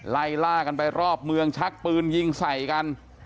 ไล่ล่ากันไปรอบเมืองชักปืนยิงใส่กัน